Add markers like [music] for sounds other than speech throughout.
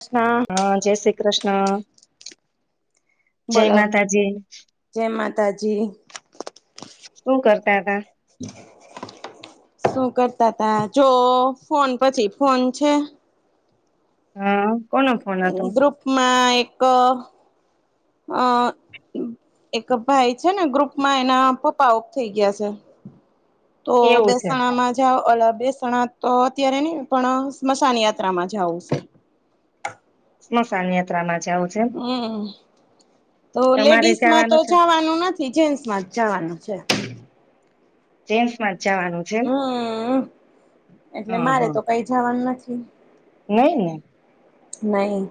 કૃષ્ણ હા, જય શ્રી કૃષ્ણ. જય બોલો માતાજી. જય માતાજી શું કરતા હતા શું કરતા તા જો ફોન પછી ફોન છે. હા કોનો ફોન હતો ગ્રુપ માં એક અ એક ભાઈ છે ને ગ્રુપમાં એના પપ્પા ઑફ થઈ ગયા છે. તો એવું છે બેસણા માં જાવ ઓલ બેસણા તો અત્યારે ની પણ સ્મશાન યાત્રામાં જાવું છે. સમશાન યા હમ્મ તો તમારે લેડીસ માં તો જવાનું છે જવાનું નથી જેન્ટસ માં જ જવાનું છે. ગેન્ટ્સ મા હમ્મ એટલે મારે તો કઈ જાવાનું નથી. હ નય ને. નહી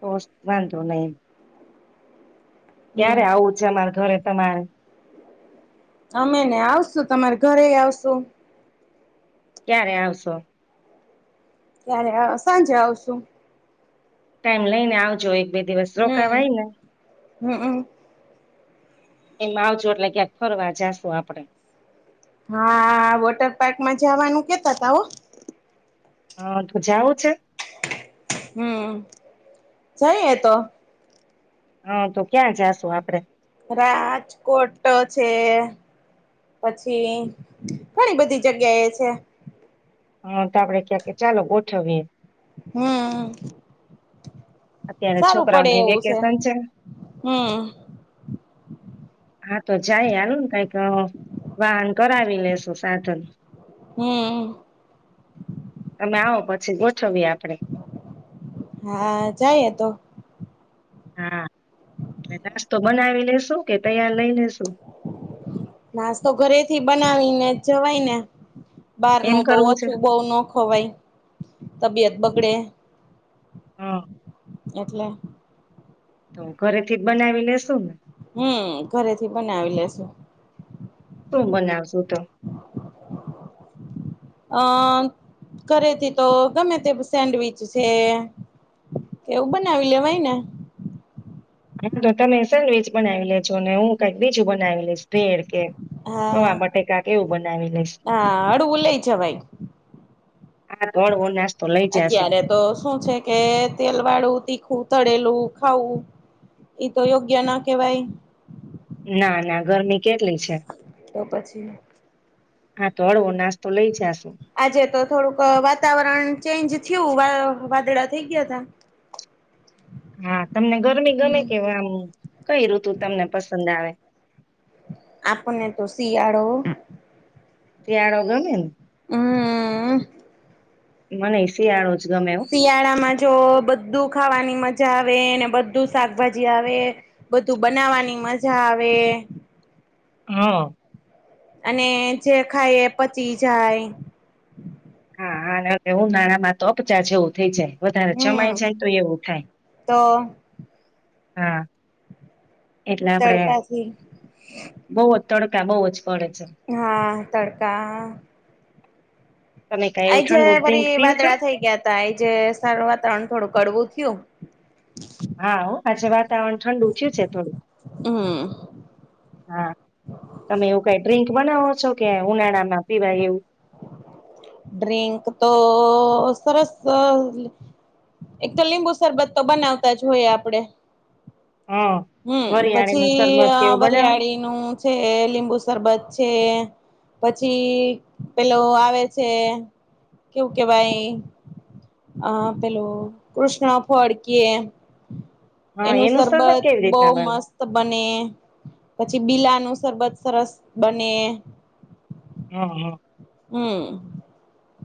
તોસ્ વાંધો નહી ક્યારે હમ આવું છે અમારે ઘરે. તમારે. અમે ને આવશું તમારે ઘરે એ આવશુ. ક્યારે આવશો? ત્યારે સાંજે આવશું. ટાઈમ લઈ ને આવજો એક બે દિવસ હમ રોકાવાય ને. હમમ એમ આવજો એટલે ક્યાંક ફરવા જાશુ આપડે. હા વોટર પાર્ક માં જવાનું કેતા તા હો હા તો જાવું છે? હમ્મ, જઈએ તો. હા તો ક્યાં જાશુ આપડે? રાજકોટ છે. પછી ઘણી બધી જગ્યાએ છે. હા, તો આપડે ક્યાક ચાલો ગોઠવીએ. હમ્મ અત્યારે સારું પડે છોકરાઓને એવું છે. વેકેશન હમ્મ હા તો જાય હાલો ને કંઈક વાહન કરાવી લેેશુ સાધન. હમ્મ [unintelligible] છવી આપણેે. જાયે એ તો. હા કે નાસ્તો બનાવી લેશુ? કે તૈયાર લઈ લેશુ? નાશતો ઘરેથી બનાવીને જવાઈને? બહાર એમ નું તો કરવું છે ઓછું. બવ નો ખવાય તબિયત બગડે હા એટલે તો ઘરેથી બનાવી લેેશુ ને? હમ્મ ઘરેથી બનાવી લેશુ. શું બનાવશુ તો? અ, ઘરેથી તો ગમે તે સેન્ડવીચ છે. એવું બનાવી લેવાય ને? હા તો તમે સેન્ડવીચ બનાવી લેેજો. ને હું કઈક બીજું બનાવી લશ ભેળ કે. હા પોઆ બટેકા કે એવું બના હા હળવું લઈ જવાઈ. હા, [unintelligible] નાસ્તો લઈ જાશુ અત્યારે તો શું છે કે તેલ વાળું તીખું તળેલું ખાવું એ તો યોગ્ય ના કેવાય. ના ના ગરમી કેટલી છે. તો પછી હા તો હળવો નાસ્તો લઈ જાશું. આજે તો થોડુંક વાતાવરણ ચેન્જ થીયું. વા વાદળા થઈ ગયા તા. હા, તમને ગરમી ગમે હમ કે આમ કઈ ઋતુ તમને પસંદ આવે? આપણને તો શિયાળો શિયાળો ગમે ન? હમ મનેય શિયાળો જ ગમે હો શિયાળામાં જો બધું ખાવાની મજા આ આવે, બધું શાકભાજી આવે, બધું બનાવાની મજા આવે. હા. અને જે ખાય એ પચી જાય. હા અને એવું ઉનાળામાં તો અપચા જેવું થઇ જાય. વધારે જમાઈ હમ જાય તો એવું થાય. તો હા. એટલે આપડે, તડકાથી બવ તડ કા બવ જ પડે છે હા તડકા તમે કઈ એવું આયજે ઠંડુ ડ્રિંક ફરી પીવ છો વાદળા થઈ ગયા તા આયજે સારું વાતાવરણ થોડુંક કડવુ થયું. હા ઓ, આજે વાતાવરણ ઠંડુ થયું છે થોડુંક. હમ હા, તમે એવું કઈ ડ્રિંક બનાવો છો? કે ઉનાળા માં પીવાય એવું ડ્રિંક તો સરસ એક તો લીંબુ શરબત તો બનાવતા જ હોય આપડે. હા હમ્મ વરિયાળી નું પછી શરબત કેવું બનાવો વરિયાળીનું છે. લીંબુ શરબત છે. પછી પેલો આવે છે, કેવું કેવાય? પેલું કૃષ્ણ ફળ કીએ. હા એનું શરબત શબત કેવી બો રીતના બને મસ્ત બને. પછી બીલાનું સરબત સરસ બને. હમ્મ હમ્મ હમ્મ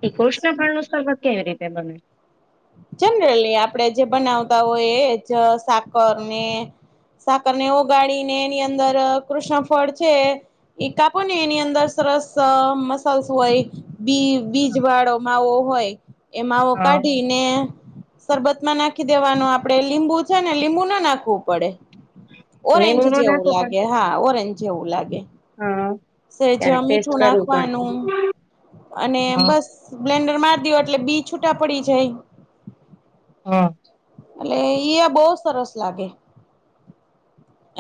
ઈ કૃષ્ણ ફળ નું સરબત કેવી રીતે? એ બને જનરલી આપણેે જે બનાવતા હોય એ જ સાકર ને સાકરને ઓગાળીને એની અંદર કૃષ્ણફળ છે કાપો ને એની અંદર સરસ [unintelligible] હોય બી બીજ વાળો માવો હોય એ માવો હા કાઢીને શરબતમાં નાખી દેવાનું આપડે લીંબુ છે ને લીંબુ ના નાખવું પડે ઓરેન્જ લેબુ નો જેવું નાખવું પડે લાગે હા ઓરેન્જ જેવું લાગે. હા સેજ ત્યારે ટેસ્ટ મીઠું કરવું પડશે. નાખવાનું અને હા બસ બ્લેન્ડર માર દિયો.. એટલે બી છૂટા પડી જાય. હ.. એટલે ઈયા બહુ સરસ લાગે.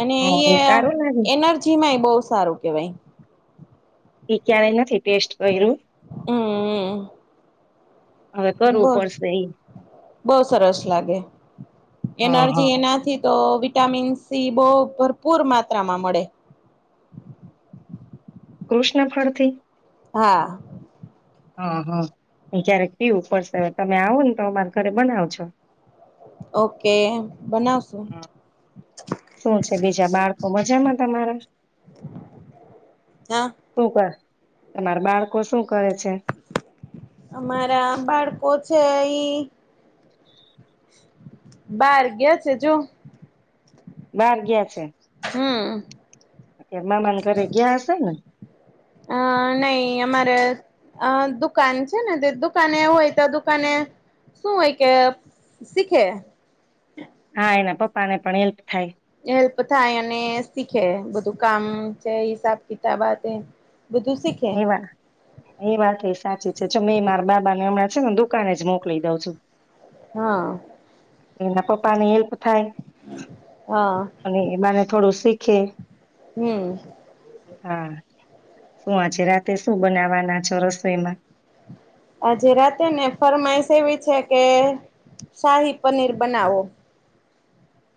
અને હા એ સારું લાગે. એનર્જી માંય બહુ.. સારું કેવાય. એ ક્યારેય નથી ટેસ્ટ કર્યું. હમ હવે કરવું બ પડશે ઈ. બહુ સરસ લાગે હા એનર્જી હા. એનાથી.. તો વિટામિન સી બહુ ભરપૂર માત્રામાં મળે. કૃષ્ણ ફળથી.. હા. હા હા ક્યારેક પીવું પડશે હવે તમે આવો ને તો અમારે ઘરે બનાવ છો. ઓકે. બનાવશું શું છે બીજા બાળકો મજામાં તમારે. હા શું કર.. તમાર બાળકો શું કરે છે? અમારા બાળકો છે ઈ.. બાર ગયા છે જો.. બાર ગ્યા છે. હમ મામાને ઘરે ગિયા હશે ને? અ નહી અમારે અ દુકાન છે ને દુકાને હોય તો દુકાને શું હોય કે શીખે. હા એના પપ્પા ને પણ હેલ્પ થાય. હેલ્પ થાય અને શીખે બધું કામ છે હિસાબ કિતાબ આતે. એ વાત એ વાત એ સાચી છે જો મેં મારા બાબા ને હમણાં.. દુકને જ મોકલી દઉં છું. હા એના પપ્પા ની હેલ્પ થાય હા અને એ બહાને થોડું.. શીખે. હમ.. હા આજે રાતે શું બનાવવાના છો રસોઈમાં. આજે રાતે ને ફરમાઈશ એવી છે કે શાહી પનીર બનાવો.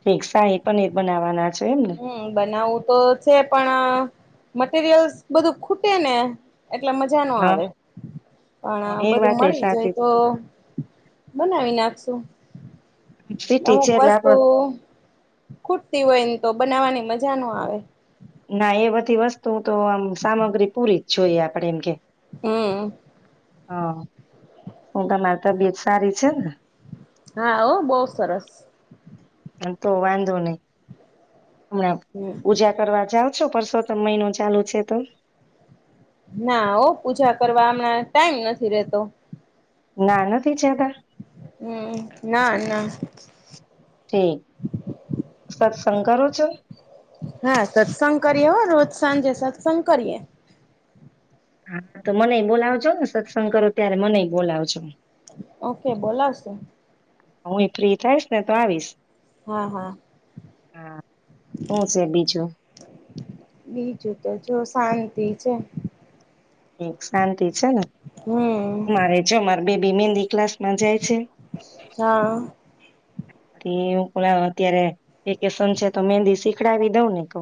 ઠીક શાહી પનીર બનાવવાના છો એમને હમ્મ બનાવવું તો છે પણ અ મટરિયલ્સ બધું ખૂટે ને એટલે મજા નો હા આવે હા પણ એ બધું વાત એ મળી જાય સાચી છે. તો બનાવી નાખશું સિટી અમુક છે એટલે વસ્તુ આપડ ખૂટતી હોય બનાવવાની મજા નો આવે. ના એ બધી વસ્તુ તો આમ સામગ્રી પૂરી જોઈએ આપડે એમ કે હમ. હા [unintelligible] માતા બી હા ઓ બોવ સરસ. અને તો વાંધો નય. હમણા હમ પૂજા કરવા જાવ શું પરસોતમ મહિનો ચાલુ છે તો. ના ઓ પૂજા કરવા હમણાં ટાઈમ નથી રેતો. ના નથી જતા હમ, ના, ના. ઠીક સત્સંગ કરો છો? હા સત્સંગ કરીએ હો રોજ સાંજે સત્સંગ કરીએ. હા તો મનેય બોલાવજો ને સત્સંગ કરો ત્યારે મનેય બોલાવજો. ઓકે બોલાવશો. હું એ ફ્રી થાયશ ને તો આવીશ. હા, હા. હા. શું છે બીજું બીજું તો જો શાંતિ છે. એક શાંતિ છે ને હમ મારે જો માર બેબી મહેંદી ક્લાસ. મજાય છે. હા થી હું [unintelligible] અત્યારે વેકેશન છે તો મેંદી શીખડાવી દઉં ને ક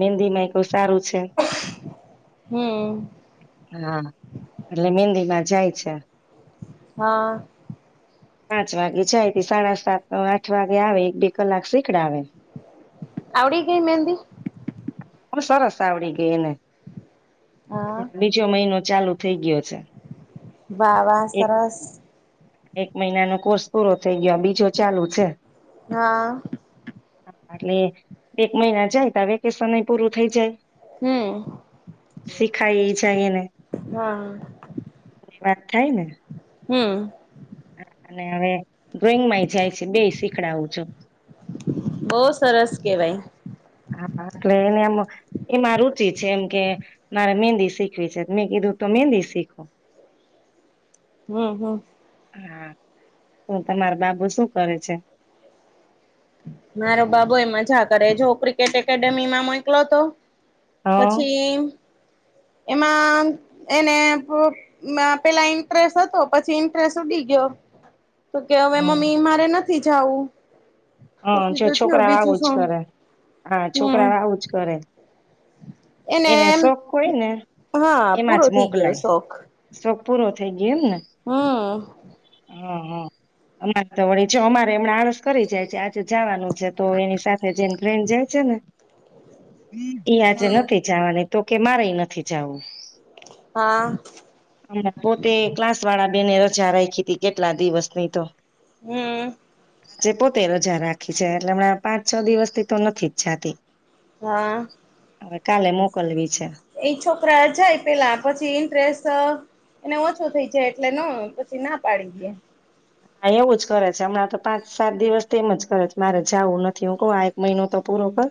મેંદી માં સારું છે હમ હા એટલે મેંદી માં જાય છે. હા. પાંચ વાગે જાયથી સાડા સાત આઠ વાગે આવે એક બે કલાક સી આવડી ગઈ મેંદી? સાાવડી ગેઇને. બીજો મહિનો ચાલુ થઈ ગયો. છે બાવા એક સરસ. એક મહિનાનો કોર્સ પૂરો થઈ ગયો બીજો ચાલુ છે. હા. હા એટલે એક મહિના જાય તો વેકેશન એ પૂરું થઇ જાય. હમ શીખાય જાયને હા એ વાત થાય ને. હમ. ને હવે ડ્રોઈંગ માંય જાય છે બે શીખડાવું છું કહેવાય હા એટલે એને આમ એમાં રુચિ છે એમ કે મારે મેંહદી શીખવી છે મેં કીધું તો મહેંદી શીખવું હું હું હા તો તમારા બાબો શું કરે છે મારો બાબુ એ મજા કરે જો ક્રિકેટ એકેડેમીમાં મોકલ્યો તો હ પછી એ એમાં એને મે પેલા ઇન્ટરેસ્ટ હતો પછી ઇન્ટરેસ્ટ ઉડી ગયો તો કે હવે હમ મમ્મી મારે નથી થી જાઉું હા જો છોકરા આવું જ કરે હા છોકરા હમ આવું જ કરે એને એમ શોખ હોય ને હા એમાં પૂરો જ થઈ ગયો મોકલાય શોખ શોખ પૂરો થઈ ગયો એમ ને હા હા હા અમારે તો વળી જો અમારે જો હમણાં આળસ કરી જાય છે આજે જવાનું છે તો એની સાથે [unintelligible] જાય જોને ઈ આજે હમ નથી જાવાની તો કે મારે એ નથી જવું હા પોતે ક્લાસવાળા બેને જરાય કે કે કેટલા દિવસ નઈ તો હમ્મ જે પોતે રજા રાખી છે એટલે હમણાં પાંચ છ દિવસથી તો નથી જ જાતી. હા હવે કાલે મોકલવી છે. એ છોકરા જાય પેલા પછી ઇન્ટરેસ્ટ એને ઓછો થઈ જાય એટલે નો પછી ના પાડી દે. હા એવું જ કરે છે હમણાં તો પાંચ સાત દિવસ તેમજ કરે છે મારે જવું નથી હું કહ આ એક મહિનો તો પૂરો કર.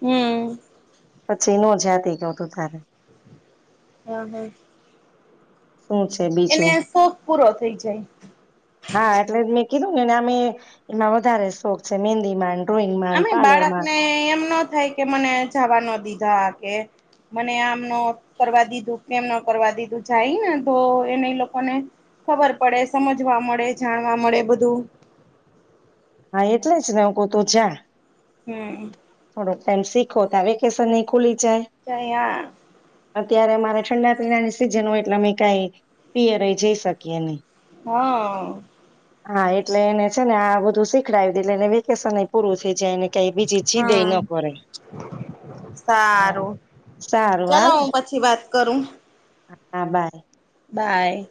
હમ્મ પછી નો જાતિ [unintelligible] તારે હા હા શું છે એને બીજું આ શોખ પૂરો થઈ જાય. હા એટલે મેં કીધું ને આમેએ એમાં વધારે શોખ છે મંહેદી માં આમે બાળકને એમનો થાય કે મને જવા નો દીધા કે મને આમ નો કરવા દીધું તેમ નો કરવા દીધું જાય ને તો એને લોકોને ખબર પડે સમજવા મળે જાણવા મળે બધું હા એટલે જ ને [unintelligible] તો જા. હમ્મ થોડા ટાઈમ શીખો ત્યા વેકેશન એ ખુલી [unintelligible] ત્યારે અમારે ઠંડા પીણાની સિઝન હોય એટલે અમે કાંઈ પીયરે જઈ શકીએ નય. હાં હા એટલે એને છે ને આ બધું શિખવાડી દયે એટલે વેકેશન એ પૂરું થઈ જાય એને કઈ બીજી જીદેય હમ્મ, ન કરે. હા સારું, સારું ચાલ હાલ હું પછી વાત કરું. હા બાય. બાય.